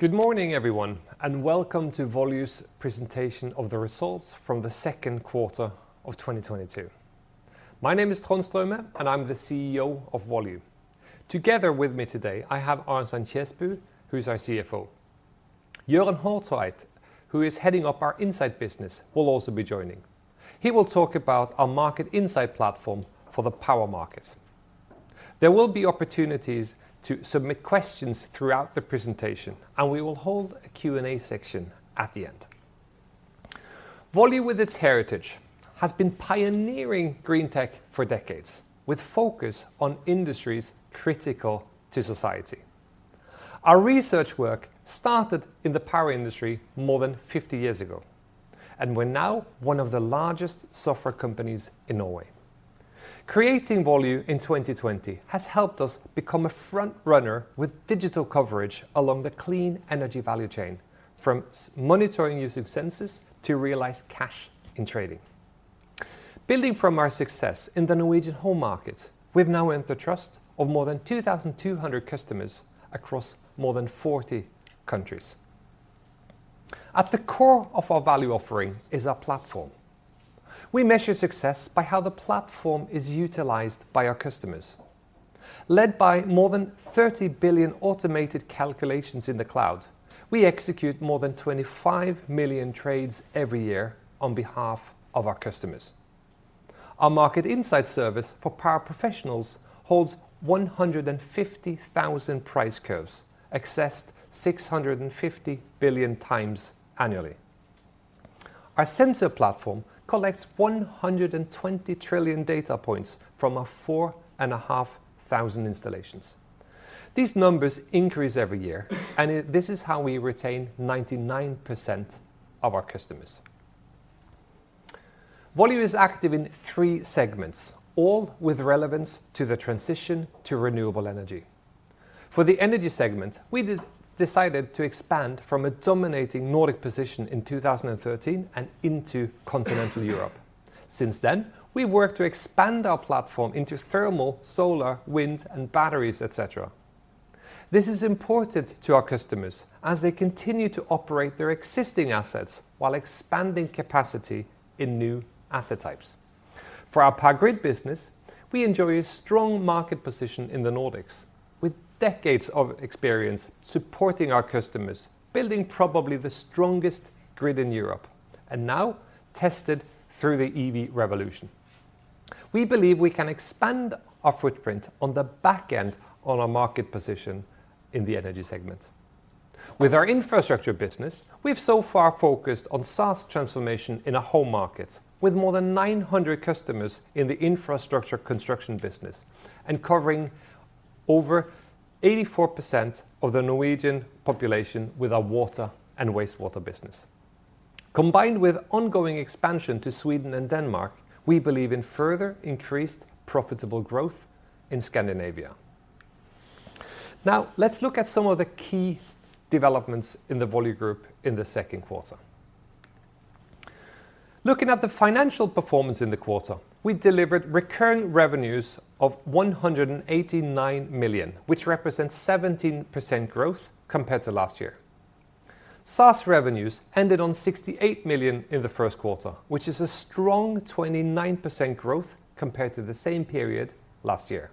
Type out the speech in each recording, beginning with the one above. Good morning, everyone, and welcome to Volue's presentation of the results from the second quarter of 2022. My name is Trond Straume, and I'm the CEO of Volue. Together with me today, I have Arnstein Kjesbu, who's our CFO. Jørund Håteid, who is heading up our insight business, will also be joining. He will talk about our market insight platform for the power market. There will be opportunities to submit questions throughout the presentation, and we will hold a Q&A section at the end. Volue, with its heritage, has been pioneering green tech for decades, with focus on industries critical to society. Our research work started in the power industry more than 50 years ago, and we're now one of the largest software companies in Norway. Creating Volue in 2020 has helped us become a front runner with digital coverage along the clean energy value chain, from monitoring using sensors to realize cash in trading. Building from our success in the Norwegian home market, we've now earned the trust of more than 2,200 customers across more than 40 countries. At the core of our value offering is our platform. We measure success by how the platform is utilized by our customers. Led by more than 30 billion automated calculations in the cloud, we execute more than 25 million trades every year on behalf of our customers. Our market insight service for power professionals holds 150,000 price curves, accessed 650 billion times annually. Our sensor platform collects 120 trillion data points from 4,500 installations. These numbers increase every year, and this is how we retain 99% of our customers. Volue is active in three segments, all with relevance to the transition to renewable energy. For the energy segment, we decided to expand from a dominating Nordic position in 2013 and into Continental Europe. Since then, we worked to expand our platform into thermal, solar, wind, and batteries, et cetera. This is important to our customers as they continue to operate their existing assets while expanding capacity in new asset types. For our Power Grid business, we enjoy a strong market position in the Nordics with decades of experience supporting our customers, building probably the strongest grid in Europe, and now tested through the EV revolution. We believe we can expand our footprint on the back of our market position in the energy segment. With our infrastructure business, we've so far focused on SaaS transformation in a home market with more than 900 customers in the infrastructure construction business and covering over 84% of the Norwegian population with our water and wastewater business. Combined with ongoing expansion to Sweden and Denmark, we believe in further increased profitable growth in Scandinavia. Now, let's look at some of the key developments in the Volue group in the second quarter. Looking at the financial performance in the quarter, we delivered recurring revenues of 189 million, which represents 17% growth compared to last year. SaaS revenues ended on 68 million in the first quarter, which is a strong 29% growth compared to the same period last year.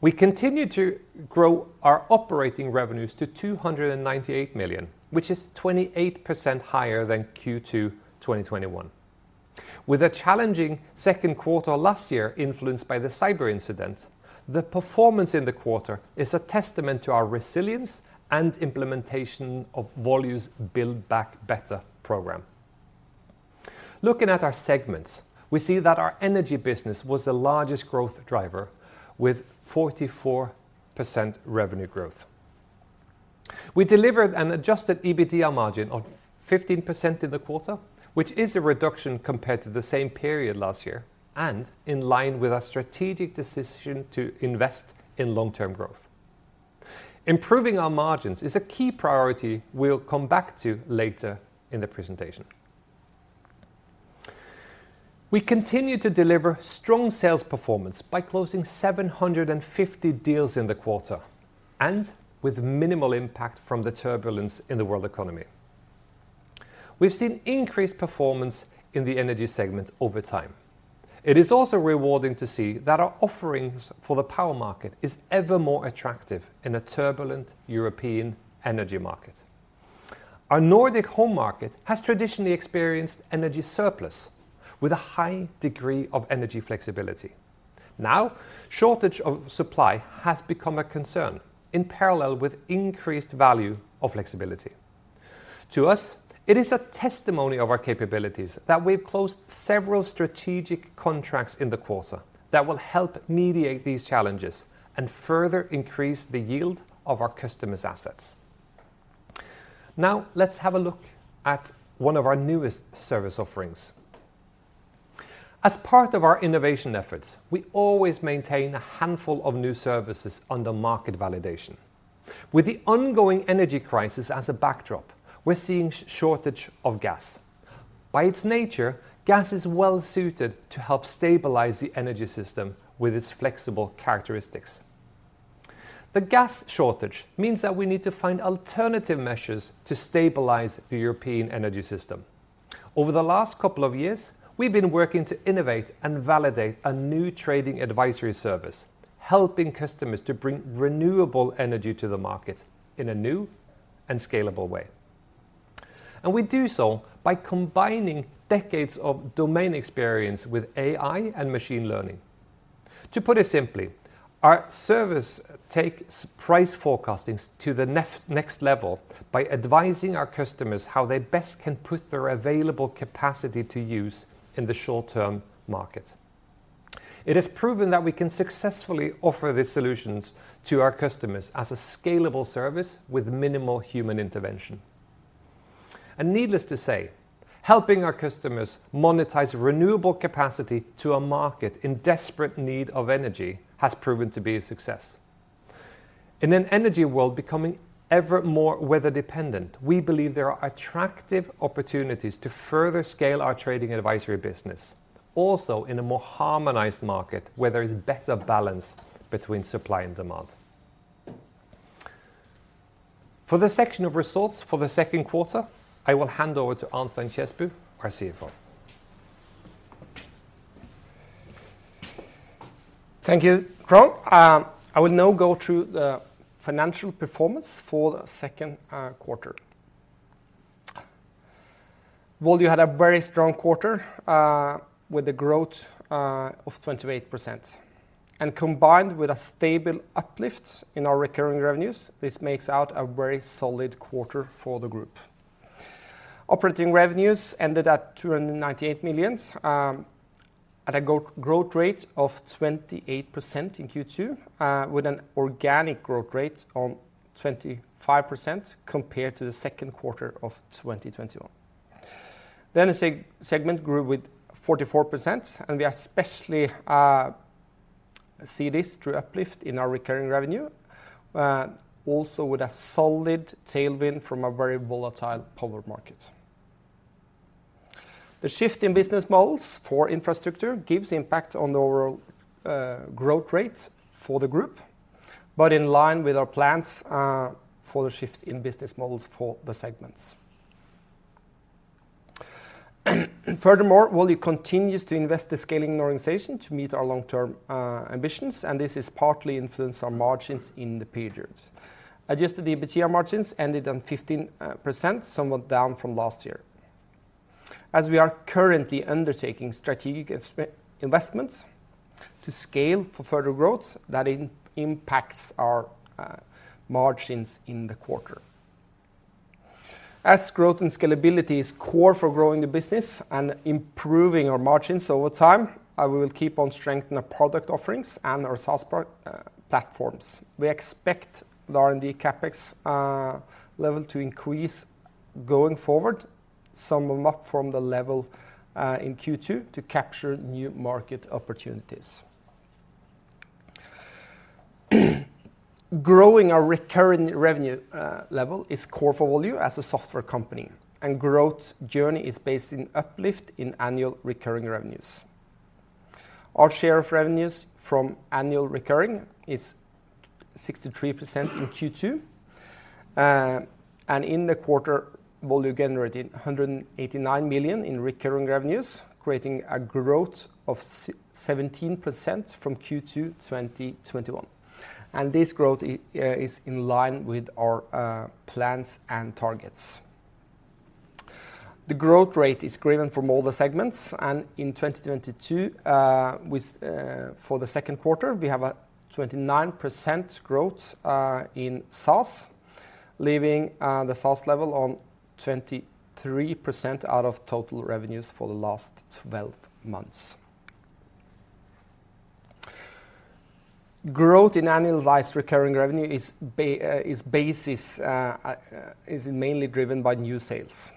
We continue to grow our operating revenues to 298 million, which is 28% higher than Q2 2021. With a challenging second quarter last year influenced by the cyber incident, the performance in the quarter is a testament to our resilience and implementation of Volue's Build Back Better program. Looking at our segments, we see that our energy business was the largest growth driver with 44% revenue growth. We delivered an adjusted EBITDA margin of 15% in the quarter, which is a reduction compared to the same period last year and in line with our strategic decision to invest in long-term growth. Improving our margins is a key priority we'll come back to later in the presentation. We continue to deliver strong sales performance by closing 750 deals in the quarter and with minimal impact from the turbulence in the world economy. We've seen increased performance in the energy segment over time. It is also rewarding to see that our offerings for the power market is ever more attractive in a turbulent European energy market. Our Nordic home market has traditionally experienced energy surplus with a high degree of energy flexibility. Now, shortage of supply has become a concern in parallel with increased value of flexibility. To us, it is a testimony of our capabilities that we've closed several strategic contracts in the quarter that will help mediate these challenges and further increase the yield of our customers' assets. Now, let's have a look at one of our newest service offerings. As part of our innovation efforts, we always maintain a handful of new services under market validation. With the ongoing energy crisis as a backdrop, we're seeing shortage of gas. By its nature, gas is well-suited to help stabilize the energy system with its flexible characteristics. The gas shortage means that we need to find alternative measures to stabilize the European energy system. Over the last couple of years, we've been working to innovate and validate a new trading advisory service, helping customers to bring renewable energy to the market in a new and scalable way. We do so by combining decades of domain experience with AI and machine learning. To put it simply, our service takes price forecasting to the next level by advising our customers how they best can put their available capacity to use in the short-term market. It has proven that we can successfully offer these solutions to our customers as a scalable service with minimal human intervention. Needless to say, helping our customers monetize renewable capacity to a market in desperate need of energy has proven to be a success. In an energy world becoming ever more weather dependent, we believe there are attractive opportunities to further scale our trading advisory business, also in a more harmonized market where there is better balance between supply and demand. For the section of results for the second quarter, I will hand over to Arnstein Kjesbu, our CFO. Thank you, Trond. I will now go through the financial performance for the second quarter. Volue had a very strong quarter with a growth of 28%. Combined with a stable uplift in our recurring revenues, this makes for a very solid quarter for the group. Operating revenues ended at 298 million at a growth rate of 28% in Q2 with an organic growth rate of 25% compared to the second quarter of 2021. The energy segment grew by 44%, and we especially see this through uplift in our recurring revenue also with a solid tailwind from a very volatile power market. The shift in business models for infrastructure gives impact on the overall growth rate for the group, but in line with our plans for the shift in business models for the segments. Furthermore, Volue continues to invest the scaling organization to meet our long-term ambitions, and this has partly influenced our margins in the period. Adjusted EBITDA margins ended on 15%, somewhat down from last year. As we are currently undertaking strategic investments to scale for further growth, that impacts our margins in the quarter. As growth and scalability is core for growing the business and improving our margins over time, we will keep on strengthening our product offerings and our SaaS platforms. We expect the R&D CapEx level to increase going forward, somewhat from the level in Q2 to capture new market opportunities. Growing our recurring revenue level is core for Volue as a software company, and growth journey is based in uplift in annual recurring revenues. Our share of revenues from annual recurring is 63% in Q2. In the quarter, Volue generated 189 million in recurring revenues, creating a growth of 17% from Q2 2021, and this growth is in line with our plans and targets. The growth rate is driven from all the segments, and in 2022, for the second quarter, we have a 29% growth in SaaS, leaving the SaaS level on 23% out of total revenues for the last twelve months. Growth in annualized recurring revenue is mainly driven by new sales.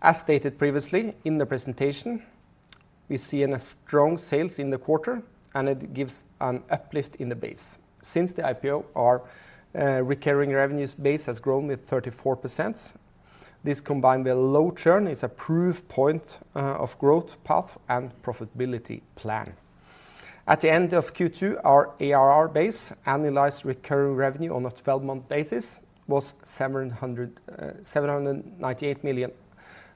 As stated previously in the presentation, we saw a strong sales in the quarter, and it gives an uplift in the base. Since the IPO, our recurring revenues base has grown by 34%. This, combined with low churn, is a proof point of growth path and profitability plan. At the end of Q2, our ARR base, annualized recurring revenue on a twelve-month basis, was 798 million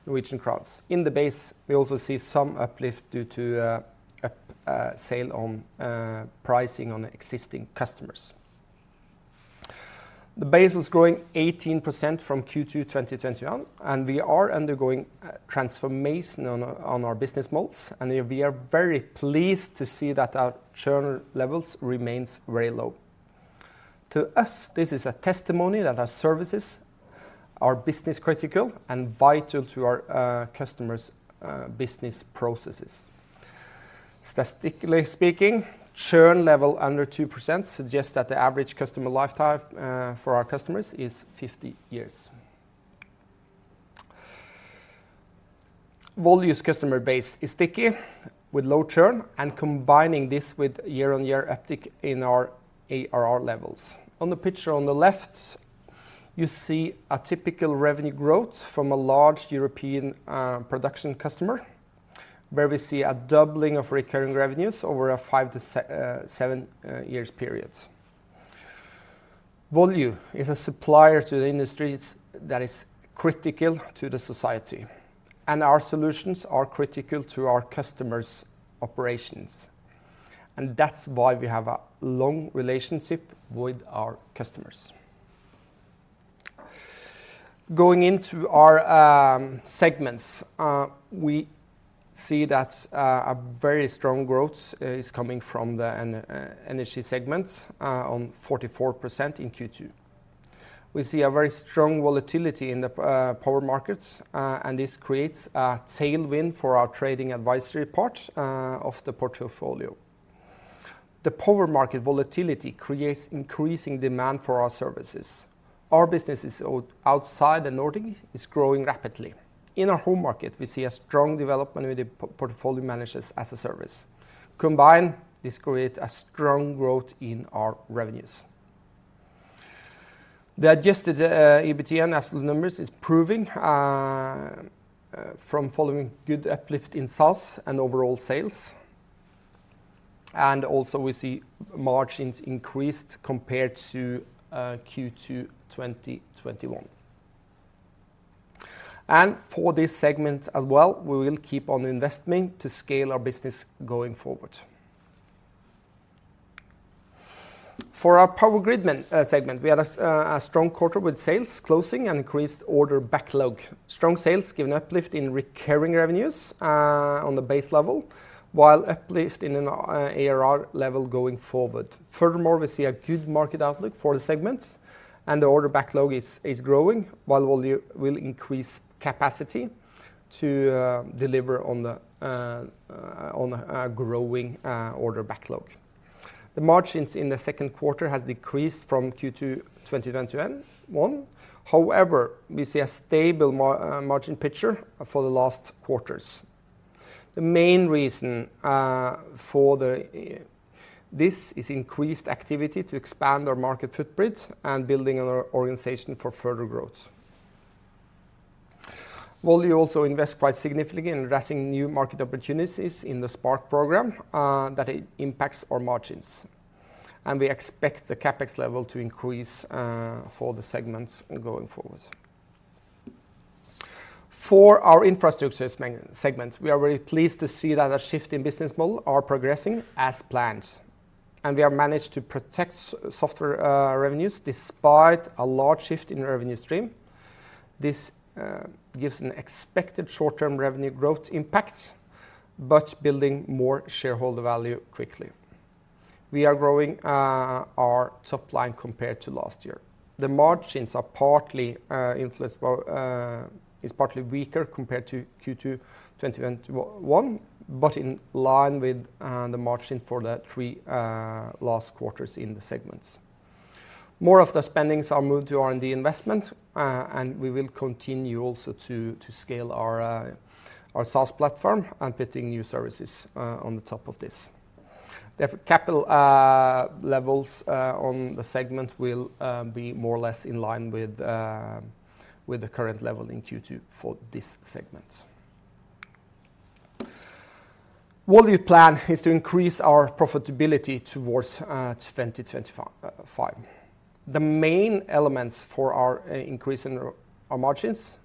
Norwegian crowns. In the base, we also see some uplift due to a sale on pricing on existing customers. The base was growing 18% from Q2 2021, and we are undergoing a transformation on our business models, and we are very pleased to see that our churn levels remains very low. To us, this is a testimony that our services are business-critical and vital to our customers' business processes. Statistically speaking, churn level under 2% suggests that the average customer lifetime for our customers is 50 years. Volue's customer base is sticky with low churn, and combining this with year-on-year uptick in our ARR levels. On the picture on the left, you see a typical revenue growth from a large European production customer, where we see a doubling of recurring revenues over a 5-7 years period. Volue is a supplier to the industries that is critical to the society, and our solutions are critical to our customers' operations, and that's why we have a long relationship with our customers. Going into our segments, we see that a very strong growth is coming from the energy segment on 44% in Q2. We see a very strong volatility in the power markets, and this creates a tailwind for our trading advisory part of the portfolio. The power market volatility creates increasing demand for our services. Our businesses outside the Nordic is growing rapidly. In our home market, we see a strong development with the portfolio managers as a service. Combined, this create a strong growth in our revenues. The adjusted EBIT and absolute numbers is improving from following good uplift in SaaS and overall sales. We see margins increased compared to Q2 2021. For this segment as well, we will keep on investing to scale our business going forward. For our Power Grid segment, we had a strong quarter with sales closing and increased order backlog. Strong sales give an uplift in recurring revenues on the base level, while uplift in an ARR level going forward. Furthermore, we see a good market outlook for the segment, and the order backlog is growing, while Volue will increase capacity to deliver on a growing order backlog. The margins in the second quarter has decreased from Q2 2021. However, we see a stable margin picture for the last quarters. The main reason for this is increased activity to expand our market footprint and building our organization for further growth. Volue also invest quite significantly in addressing new market opportunities in the Spark program, that impacts our margins, and we expect the CapEx level to increase for the segments going forward. For our infrastructure segment, we are very pleased to see that our shift in business model are progressing as planned, and we have managed to protect software revenues despite a large shift in revenue stream. This gives an expected short-term revenue growth impact, but building more shareholder value quickly. We are growing our top line compared to last year. The margins are partly weaker compared to Q2 2021, but in line with the margin for the three last quarters in the segments. More of the spending is moved to R&D investment, and we will continue also to scale our SaaS platform and putting new services on the top of this. The CapEx levels on the segment will be more or less in line with the current level in Q2 for this segment. Volue plan is to increase our profitability towards 2025. The main elements for our increase in our margins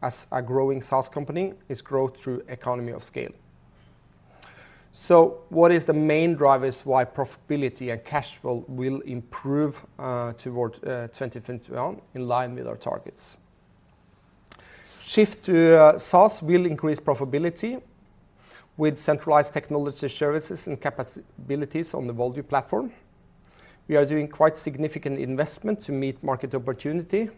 as a growing SaaS company is growth through economy of scale. What is the main drivers why profitability and cash flow will improve towards 2021 in line with our targets? Shift to SaaS will increase profitability with centralized technology services and capacities on the Volue platform. We are doing quite significant investment to meet market opportunity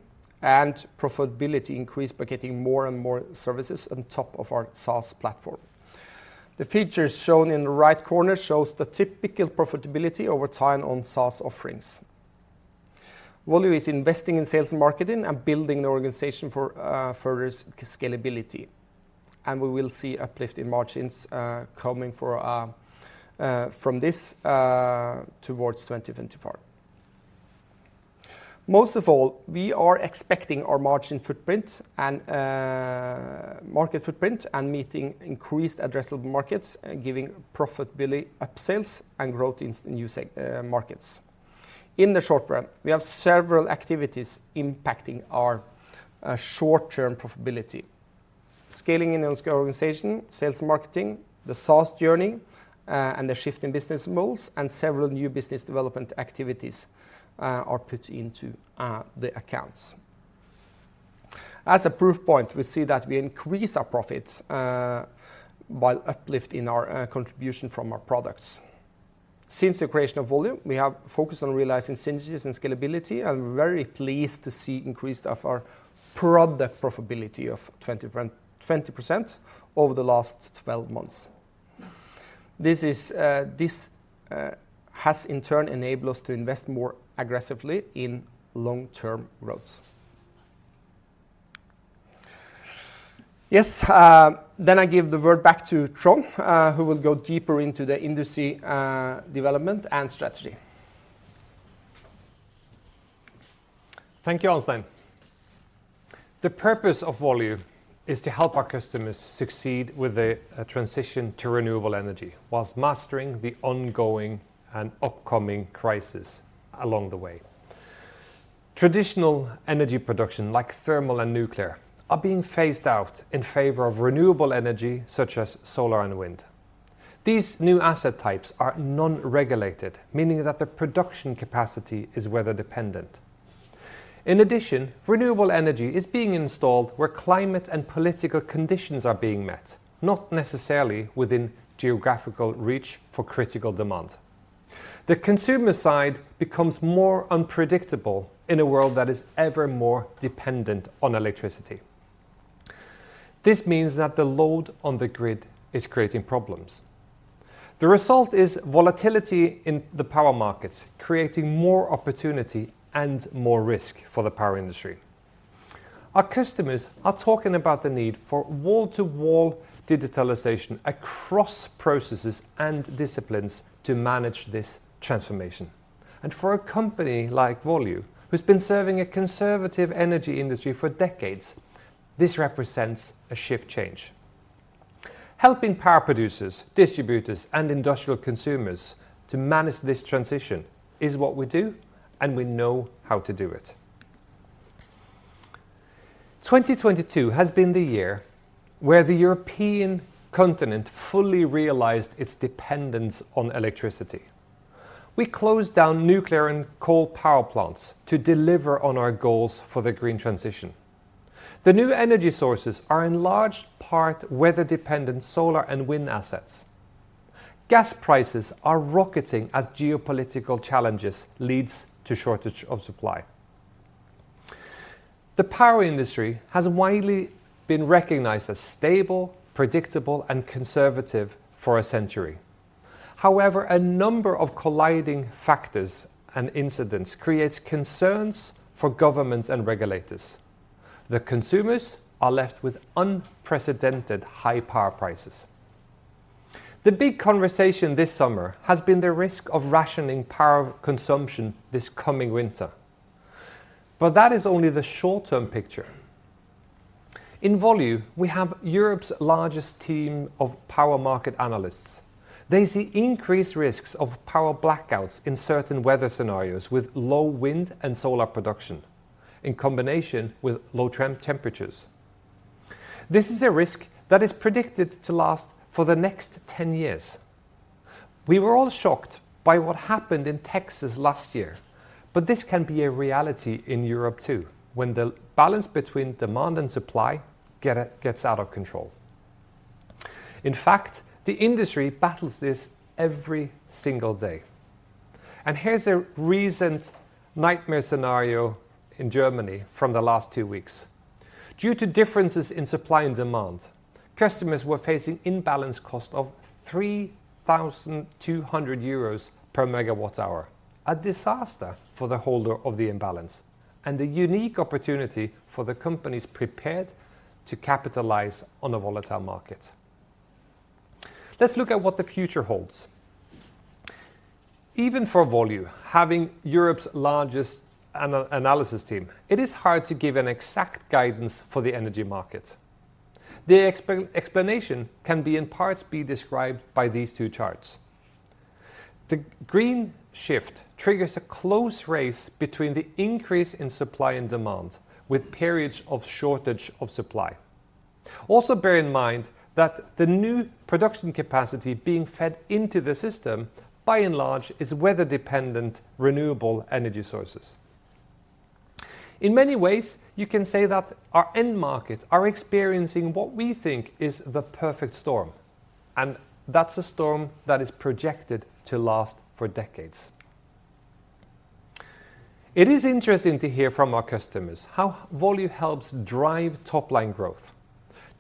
and profitability increase by getting more and more services on top of our SaaS platform. The features shown in the right corner shows the typical profitability over time on SaaS offerings. Volue is investing in sales and marketing and building the organization for further scalability, and we will see uplift in margins coming from this towards 2024. Most of all, we are expecting our margin footprint and market footprint and meeting increased addressable markets, giving profitability upsells and growth in new markets. In the short run, we have several activities impacting our short-term profitability. Scaling in our organization, sales and marketing, the SaaS journey, and the shift in business models, and several new business development activities are put into the accounts. As a proof point, we see that we increase our profits while uplift in our contribution from our products. Since the creation of Volue, we have focused on realizing synergies and scalability. I'm very pleased to see increase of our product profitability of 20% over the last 12 months. This has in turn enabled us to invest more aggressively in long-term growth. Yes. I give the word back to Trond, who will go deeper into the industry development and strategy. Thank you, Arnstein. The purpose of Volue is to help our customers succeed with the transition to renewable energy while mastering the ongoing and upcoming crisis along the way. Traditional energy production, like thermal and nuclear, are being phased out in favor of renewable energy, such as solar and wind. These new asset types are non-regulated, meaning that the production capacity is weather-dependent. In addition, renewable energy is being installed where climate and political conditions are being met, not necessarily within geographical reach for critical demand. The consumer side becomes more unpredictable in a world that is ever more dependent on electricity. This means that the load on the grid is creating problems. The result is volatility in the power markets, creating more opportunity and more risk for the power industry. Our customers are talking about the need for wall-to-wall digitalization across processes and disciplines to manage this transformation. For a company like Volue, who's been serving a conservative energy industry for decades, this represents a sea change. Helping power producers, distributors, and industrial consumers to manage this transition is what we do, and we know how to do it. 2022 has been the year where the European continent fully realized its dependence on electricity. We closed down nuclear and coal power plants to deliver on our goals for the green transition. The new energy sources are in large part weather-dependent solar and wind assets. Gas prices are rocketing as geopolitical challenges leads to shortage of supply. The power industry has widely been recognized as stable, predictable, and conservative for a century. However, a number of colliding factors and incidents creates concerns for governments and regulators. The consumers are left with unprecedented high power prices. The big conversation this summer has been the risk of rationing power consumption this coming winter, but that is only the short-term picture. In Volue, we have Europe's largest team of power market analysts. They see increased risks of power blackouts in certain weather scenarios with low wind and solar production in combination with low temperatures. This is a risk that is predicted to last for the next ten years. We were all shocked by what happened in Texas last year, but this can be a reality in Europe, too, when the balance between demand and supply gets out of control. In fact, the industry battles this every single day. Here's a recent nightmare scenario in Germany from the last two weeks. Due to differences in supply and demand, customers were facing imbalance cost of 3,200 euros per megawatt hour, a disaster for the holder of the imbalance, and a unique opportunity for the companies prepared to capitalize on a volatile market. Let's look at what the future holds. Even for Volue, having Europe's largest analysis team, it is hard to give an exact guidance for the energy market. The explanation can in part be described by these two charts. The green shift triggers a close race between the increase in supply and demand, with periods of shortage of supply. Also bear in mind that the new production capacity being fed into the system, by and large, is weather-dependent renewable energy sources. In many ways, you can say that our end markets are experiencing what we think is the perfect storm, and that's a storm that is projected to last for decades. It is interesting to hear from our customers how Volue helps drive top-line growth.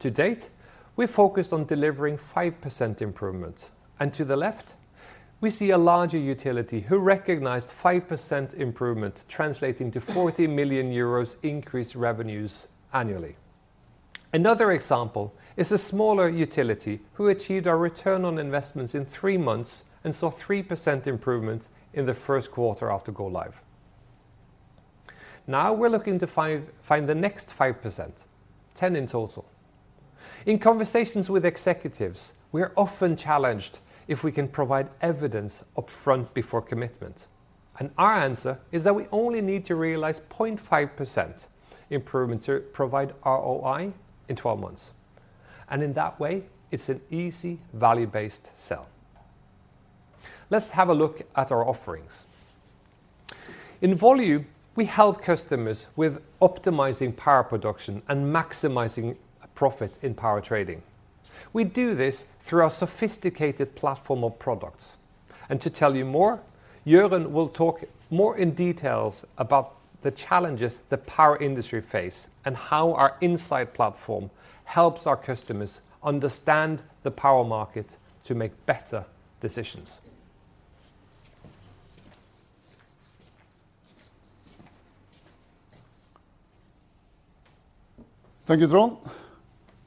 To date, we focused on delivering 5% improvement. To the left, we see a larger utility who recognized 5% improvement translating to 40 million euros increased revenues annually. Another example is a smaller utility who achieved our return on investments in 3 months and saw 3% improvement in the first quarter after go live. Now we're looking to find the next 5%, 10% in total. In conversations with executives, we are often challenged if we can provide evidence upfront before commitment, and our answer is that we only need to realize 0.5% improvement to provide ROI in twelve months. In that way, it's an easy value-based sell. Let's have a look at our offerings. In Volue, we help customers with optimizing power production and maximizing profit in power trading. We do this through our sophisticated platform of products. To tell you more, Jørund Håteid will talk more in details about the challenges the power industry face and how our insight platform helps our customers understand the power market to make better decisions. Thank you, Trond.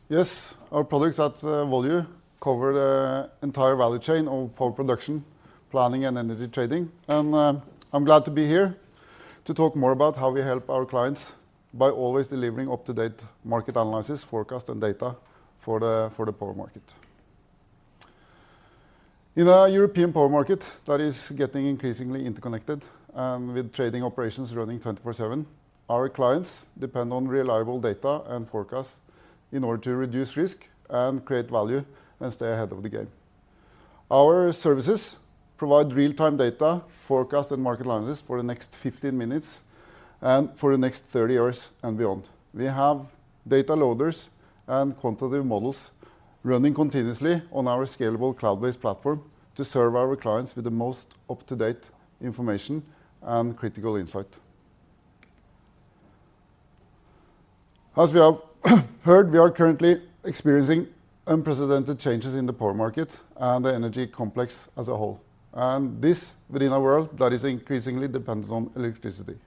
Yes, our products at Volue cover the entire value chain of power production, planning, and energy trading. I'm glad to be here to talk more about how we help our clients by always delivering up-to-date market analysis, forecast, and data for the power market. In our European power market that is getting increasingly interconnected, with trading operations running 24/7, our clients depend on reliable data and forecasts in order to reduce risk and create value and stay ahead of the game. Our services provide real-time data, forecast, and market analysis for the next 15 minutes and for the next 30 years and beyond. We have data loaders and quantitative models running continuously on our scalable cloud-based platform to serve our clients with the most up-to-date information and critical insight. As we have heard, we are currently experiencing unprecedented changes in the power market and the energy complex as a whole, and this within a world that is increasingly dependent on electricity.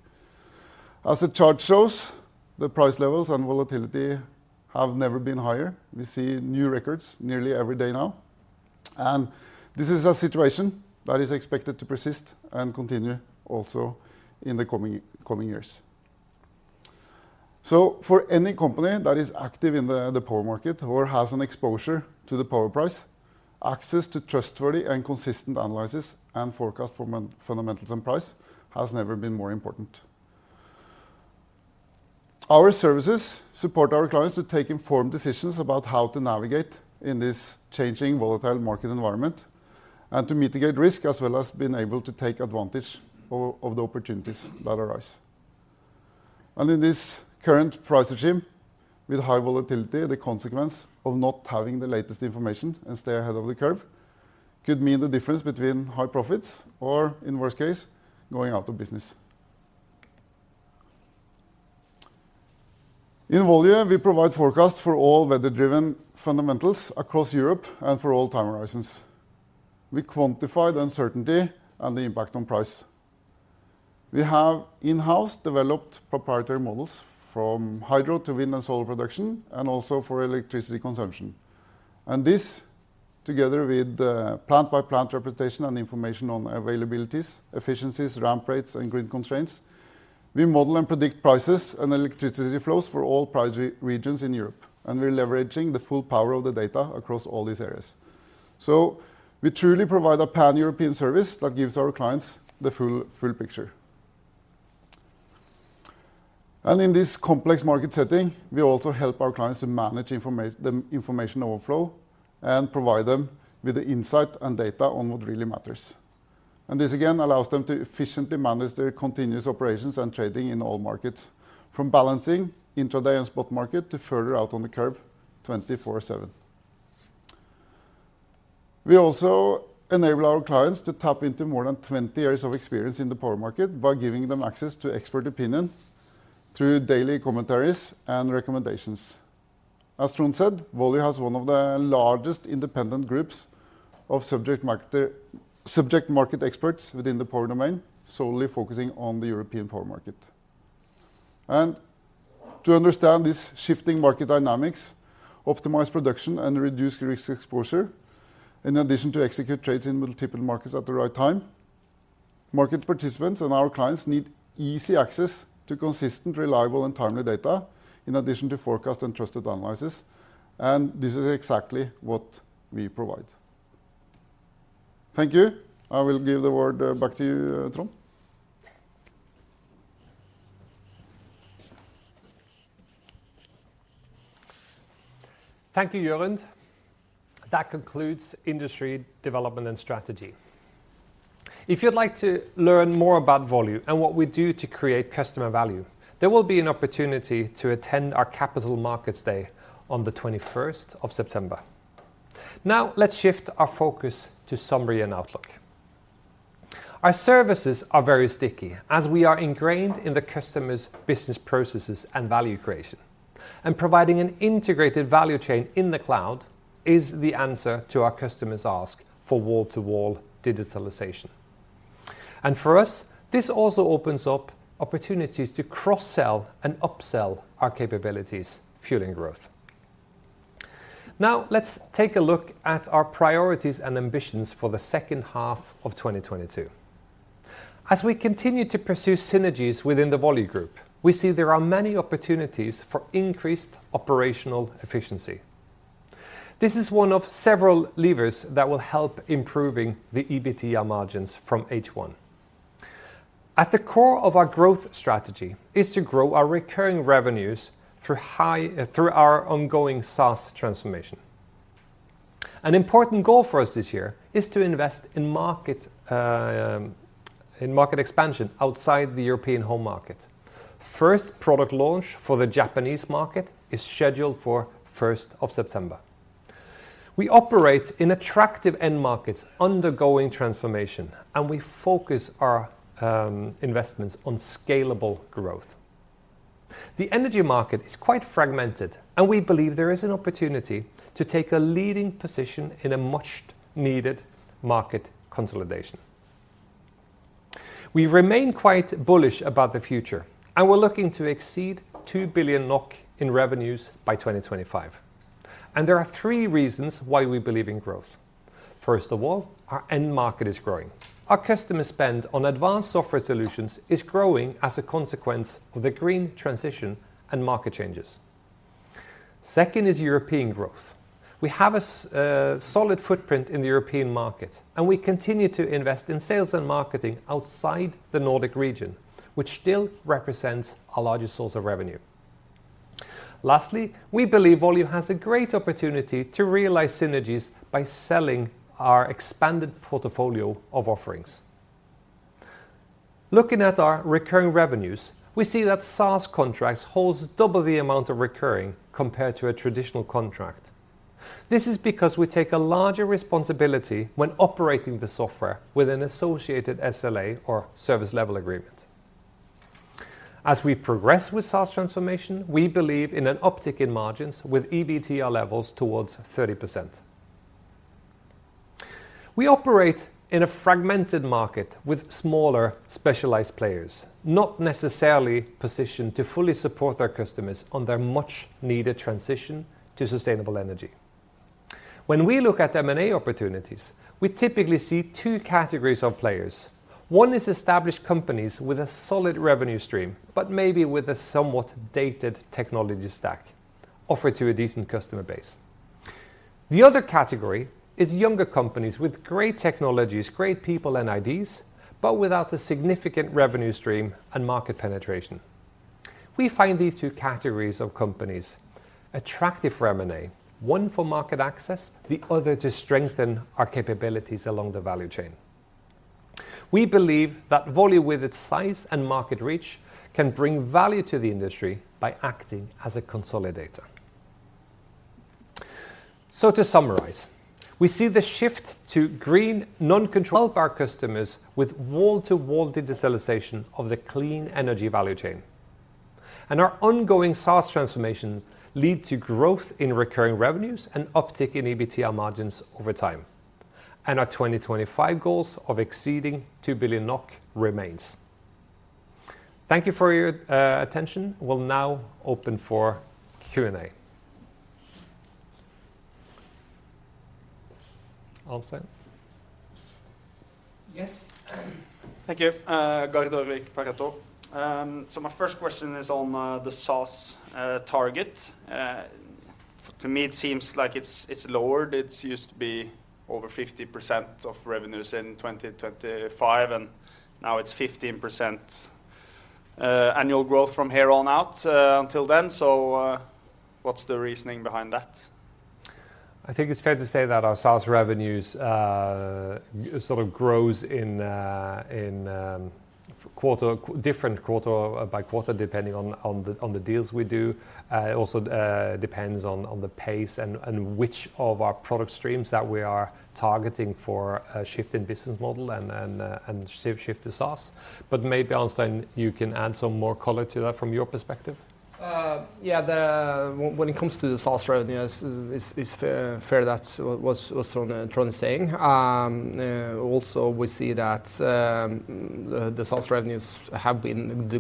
As the chart shows, the price levels and volatility have never been higher. We see new records nearly every day now, and this is a situation that is expected to persist and continue also in the coming years. For any company that is active in the power market or has an exposure to the power price, access to trustworthy and consistent analysis and forecast for market fundamentals and price has never been more important. Our services support our clients to take informed decisions about how to navigate in this changing volatile market environment and to mitigate risk, as well as being able to take advantage of the opportunities that arise. In this current price regime with high volatility, the consequence of not having the latest information and stay ahead of the curve could mean the difference between high profits or, in worst case, going out of business. In Volue, we provide forecasts for all weather-driven fundamentals across Europe and for all time horizons. We quantify the uncertainty and the impact on price. We have in-house developed proprietary models from hydro to wind and solar production and also for electricity consumption. And this, together with the plant-by-plant representation and information on availabilities, efficiencies, ramp rates, and grid constraints, we model and predict prices and electricity flows for all price regions in Europe, and we're leveraging the full power of the data across all these areas. We truly provide a Pan-European service that gives our clients the full picture. In this complex market setting, we also help our clients to manage information overflow and provide them with the insight and data on what really matters. This again allows them to efficiently manage their continuous operations and trading in all markets from balancing intraday and spot market to further out on the curve 24/7. We also enable our clients to tap into more than twenty years of experience in the power market by giving them access to expert opinion through daily commentaries and recommendations. As Trond said, Volue has one of the largest independent groups of subject matter experts within the power domain, solely focusing on the European power market. To understand these shifting market dynamics, optimize production, and reduce risk exposure, in addition to execute trades in multiple markets at the right time, market participants and our clients need easy access to consistent, reliable, and timely data in addition to forecast and trusted analysis, and this is exactly what we provide. Thank you. I will give the word back to you, Trond. Thank you, Jørund. That concludes industry development and strategy. If you'd like to learn more about Volue and what we do to create customer value, there will be an opportunity to attend our Capital Markets Day on the twenty-first of September. Now, let's shift our focus to summary and outlook. Our services are very sticky, as we are ingrained in the customer's business processes and value creation. Providing an integrated value chain in the cloud is the answer to our customers' ask for wall-to-wall digitalization. For us, this also opens up opportunities to cross-sell and upsell our capabilities, fueling growth. Now, let's take a look at our priorities and ambitions for the second half of 2022. As we continue to pursue synergies within the Volue group, we see there are many opportunities for increased operational efficiency. This is one of several levers that will help improving the EBITDA margins from H1. At the core of our growth strategy is to grow our recurring revenues through our ongoing SaaS transformation. An important goal for us this year is to invest in market expansion outside the European home market. First product launch for the Japanese market is scheduled for first of September. We operate in attractive end markets undergoing transformation, and we focus our investments on scalable growth. The energy market is quite fragmented, and we believe there is an opportunity to take a leading position in a much-needed market consolidation. We remain quite bullish about the future, and we're looking to exceed 2 billion NOK in revenues by 2025, and there are three reasons why we believe in growth. First of all, our end market is growing. Our customer spend on advanced software solutions is growing as a consequence of the green transition and market changes. Second is European growth. We have a solid footprint in the European market, and we continue to invest in sales and marketing outside the Nordic region, which still represents our largest source of revenue. Lastly, we believe Volue has a great opportunity to realize synergies by selling our expanded portfolio of offerings. Looking at our recurring revenues, we see that SaaS contracts holds double the amount of recurring compared to a traditional contract. This is because we take a larger responsibility when operating the software with an associated SLA or service level agreement. As we progress with SaaS transformation, we believe in an uptick in margins with EBITDA levels towards 30%. We operate in a fragmented market with smaller specialized players, not necessarily positioned to fully support their customers on their much-needed transition to sustainable energy. When we look at M&A opportunities, we typically see two categories of players. One is established companies with a solid revenue stream but maybe with a somewhat dated technology stack offered to a decent customer base. The other category is younger companies with great technologies, great people, and ideas, but without a significant revenue stream and market penetration. We find these two categories of companies attractive for M&A. One for market access, the other to strengthen our capabilities along the value chain. We believe that Volue, with its size and market reach, can bring value to the industry by acting as a consolidator. To summarize, we see the shift to green, non-carbon of our customers with wall-to-wall digitalization of the clean energy value chain. Our ongoing SaaS transformations lead to growth in recurring revenues and uptick in EBITDA margins over time. Our 2025 goals of exceeding 2 billion NOK remains. Thank you for your attention. We'll now open for Q&A. Arnstein? Yes. Thank you. Gard Olav Røkke from DNB Markets. My first question is on the SaaS target. To me, it seems like it's lowered. It used to be over 50% of revenues in 2025, and now it's 15% annual growth from here on out until then. What's the reasoning behind that? I think it's fair to say that our SaaS revenues sort of grows in different quarter by quarter, depending on the deals we do. It also depends on the pace and which of our product streams that we are targeting for a shift in business model and shift to SaaS. Maybe, Arnstein, you can add some more color to that from your perspective. When it comes to the SaaS revenues, it's fair that what Trond is saying. Also we see that the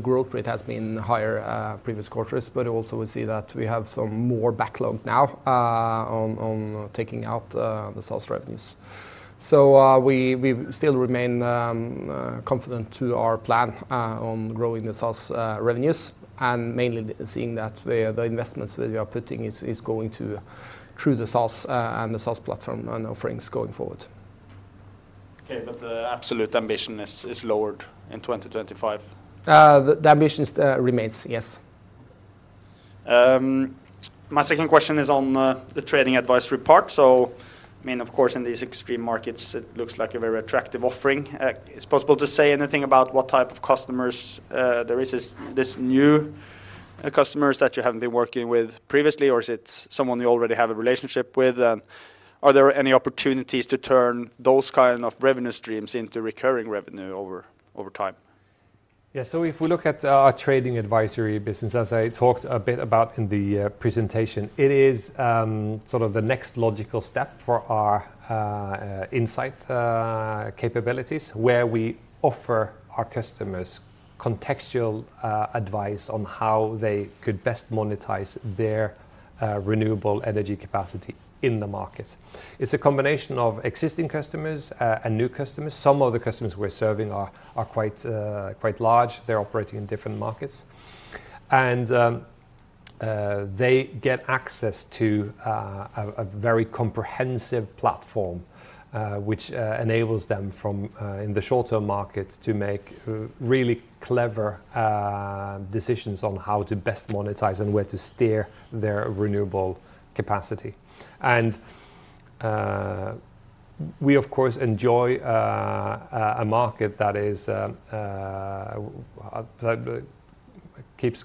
growth rate has been higher previous quarters. Also we see that we have some more backlog now, on taking out the SaaS revenues. We still remain confident to our plan on growing the SaaS revenues and mainly seeing that the investments that we are putting is going through the SaaS and the SaaS platform and offerings going forward. Okay. The absolute ambition is lowered in 2025? The ambition remains, yes. My second question is on the trading advisory part. I mean, of course, in these extreme markets, it looks like a very attractive offering. It's possible to say anything about what type of customers there is. Is this new customers that you haven't been working with previously, or is it someone you already have a relationship with? Are there any opportunities to turn those kind of revenue streams into recurring revenue over time? Yeah. If we look at our trading advisory business, as I talked a bit about in the presentation, it is sort of the next logical step for our Insight capabilities, where we offer our customers contextual advice on how they could best monetize their renewable energy capacity in the market. It's a combination of existing customers and new customers. Some of the customers we're serving are quite large. They're operating in different markets. They get access to a very comprehensive platform which enables them from in the short-term market to make really clever decisions on how to best monetize and where to steer their renewable capacity. We of course enjoy a market that keeps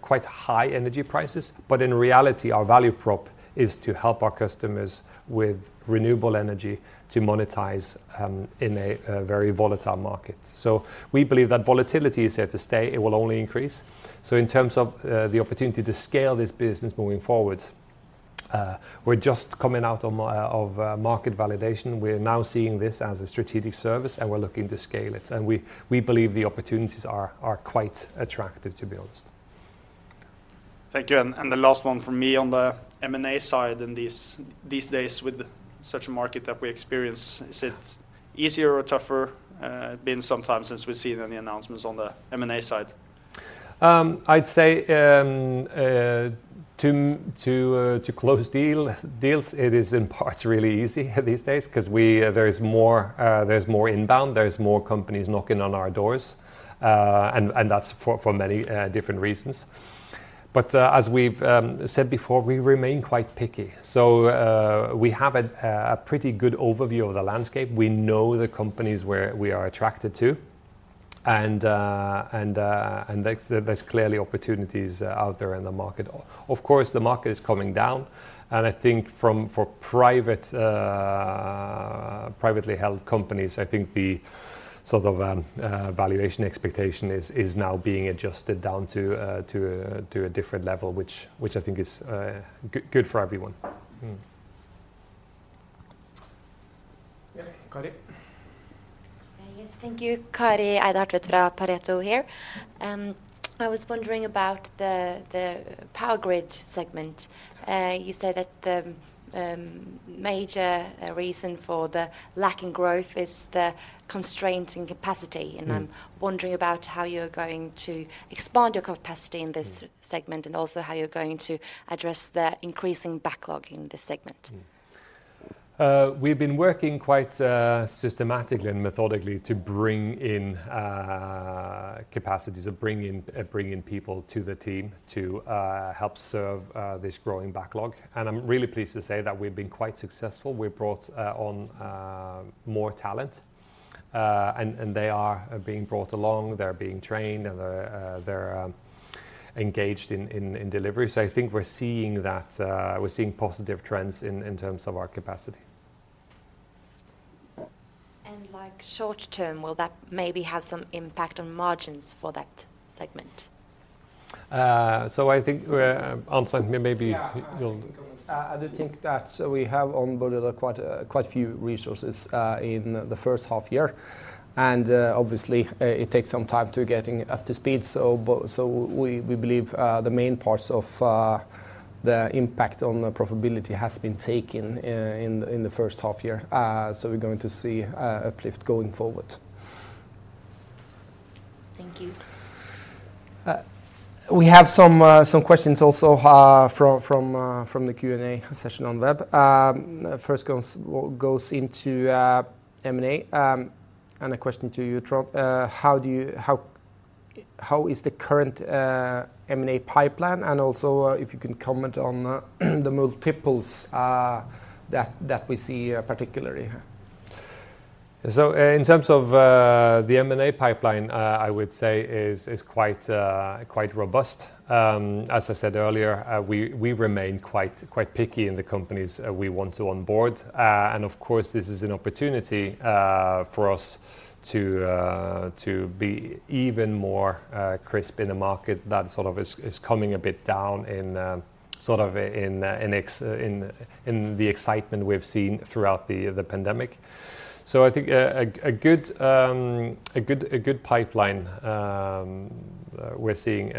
quite high energy prices. In reality, our value prop is to help our customers with renewable energy to monetize in a very volatile market. We believe that volatility is here to stay. It will only increase. In terms of the opportunity to scale this business moving forward, we're just coming out of market validation. We're now seeing this as a strategic service, and we're looking to scale it. We believe the opportunities are quite attractive, to be honest. Thank you. The last one from me on the M&A side in these days with such a market that we experience. Is it easier or tougher, been some time since we've seen any announcements on the M&A side? I'd say to close deals, it is in part really easy these days 'cause there's more inbound, there's more companies knocking on our doors. That's for many different reasons. As we've said before, we remain quite picky. We have a pretty good overview of the landscape. We know the companies where we are attracted to. There's clearly opportunities out there in the market. Of course, the market is coming down, and I think for privately held companies, I think the sort of valuation expectation is now being adjusted down to a different level, which I think is good for everyone. Yeah. Kari? Yes. Thank you. Kari Eide Hartveit from Pareto here. I was wondering about the Power Grid segment. You said that the major reason for the lacking growth is the constraint in capacity- Mm I'm wondering about how you're going to expand your capacity in this. Mm segment and also how you're going to address the increasing backlog in this segment. We've been working quite systematically and methodically to bring in capacities of bringing people to the team to help serve this growing backlog, and I'm really pleased to say that we've been quite successful. We've brought on more talent, and they are being brought along. They're being trained, and they're engaged in delivery. I think we're seeing positive trends in terms of our capacity. Like, short-term, will that maybe have some impact on margins for that segment? I think, Arnstein, maybe you'll. Yeah, I can comment. Yeah. I do think that we have onboarded quite a few resources in the first half year, and obviously it takes some time to getting up to speed. We believe the main parts of the impact on the profitability has been taken in the first half year. We're going to see uplift going forward. Thank you. We have some questions also from the Q&A session on web. First goes into M&A, and a question to you, Trond. How is the current M&A pipeline, and also, if you can comment on the multiples that we see, particularly? In terms of the M&A pipeline, I would say is quite robust. As I said earlier, we remain quite picky in the companies we want to onboard. Of course, this is an opportunity for us to be even more crisp in a market that sort of is coming a bit down in sort of in the excitement we've seen throughout the pandemic. I think a good pipeline we're seeing.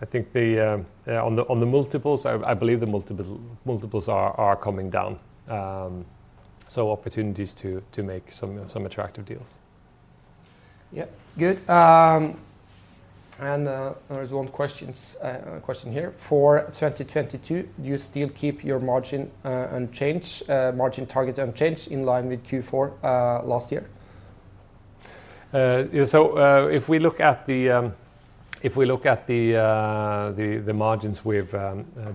I think, yeah, on the multiples, I believe the multiples are coming down, so opportunities to make some attractive deals. Yeah. Good. There's one question here. For 2022, do you still keep your margin target unchanged in line with Q4 last year? Yeah, if we look at the margins we've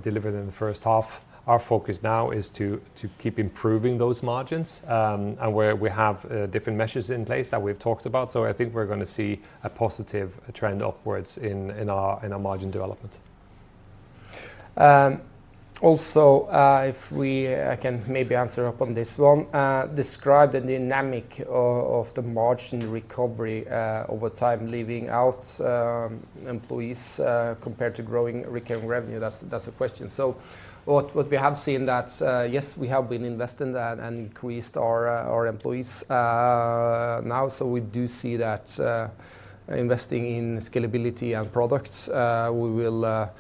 delivered in the first half, our focus now is to keep improving those margins, and where we have different measures in place that we've talked about. I think we're gonna see a positive trend upwards in our margin development. Also, I can maybe answer up on this one. Describe the dynamic of the margin recovery over time, leaving out employees compared to growing recurring revenue. That's the question. What we have seen that yes, we have been investing that and increased our employees now, so we do see that investing in scalability and products, we will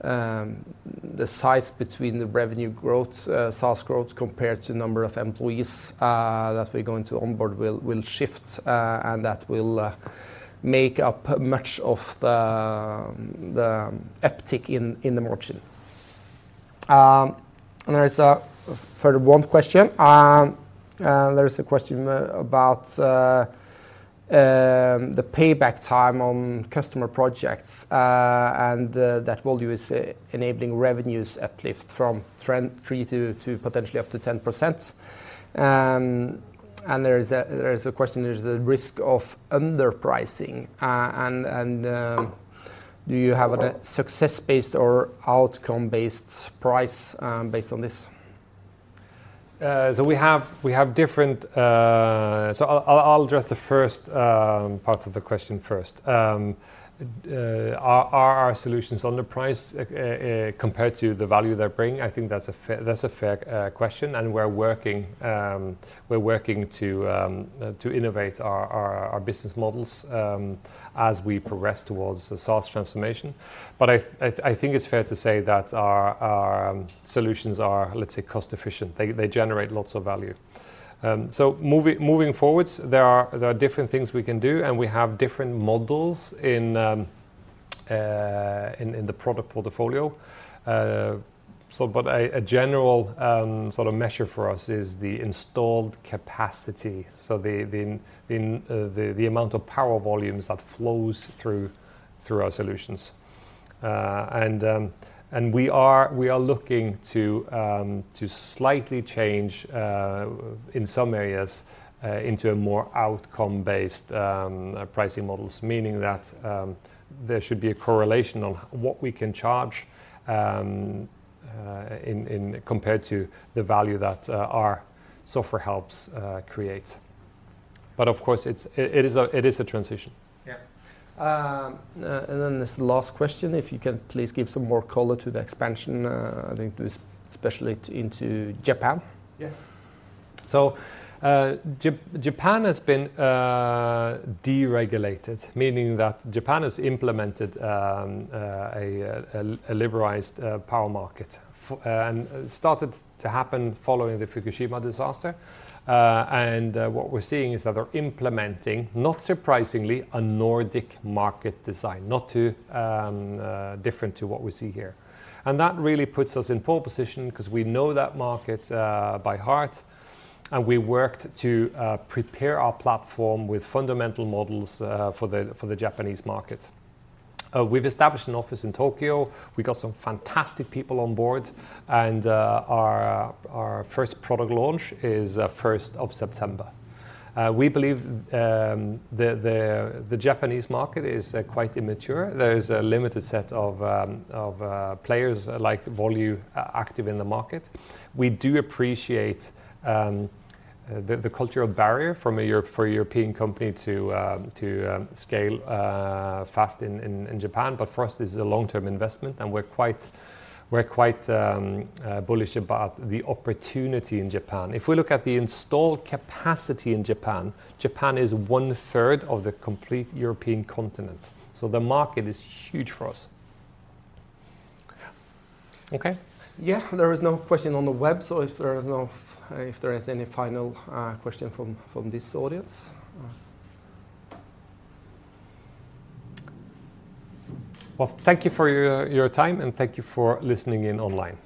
the size between the revenue growth, SaaS growth compared to number of employees that we're going to onboard will shift. That will make up much of the uptick in the margin. There is one question. There is a question about the payback time on customer projects, and that value is enabling revenues uplift from three to potentially up to 10%. There is a question about the risk of underpricing, and do you have a success-based or outcome-based price based on this? We have different. I'll address the first part of the question first. Are our solutions underpriced compared to the value they bring? I think that's a fair question, and we're working to innovate our business models as we progress towards the SaaS transformation. I think it's fair to say that our solutions are, let's say, cost efficient. They generate lots of value. Moving forward, there are different things we can do, and we have different models in the product portfolio. A general sort of measure for us is the installed capacity, the amount of power volumes that flows through our solutions. We are looking to slightly change in some areas into a more outcome-based pricing models, meaning that there should be a correlation on what we can charge in compared to the value that our software helps create. Of course, it is a transition. Yeah. This last question, if you can please give some more color to the expansion, I think especially into Japan. Yes. Japan has been deregulated, meaning that Japan has implemented a liberalized power market and it started to happen following the Fukushima disaster. What we're seeing is that they're implementing, not surprisingly, a Nordic market design, not too different to what we see here. That really puts us in pole position 'cause we know that market by heart, and we worked to prepare our platform with fundamental models for the Japanese market. We've established an office in Tokyo. We got some fantastic people on board, and our first product launch is first of September. We believe the Japanese market is quite immature. There's a limited set of players like Volue active in the market. We do appreciate the cultural barrier for a European company to scale fast in Japan, but for us this is a long-term investment, and we're quite bullish about the opportunity in Japan. If we look at the installed capacity in Japan is 1/3 of the complete European continent, so the market is huge for us. Okay. Yeah. There is no question on the web, so if there is any final question from this audience. Well, thank you for your time, and thank you for listening in online.